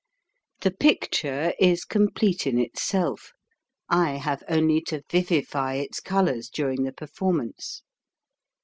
The picture is complete in itself ; I have only to vivify its colors during the performance.